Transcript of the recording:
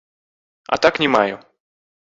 А так не маю.